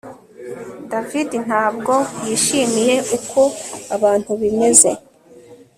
David ntabwo yishimiye uko ibintu bimeze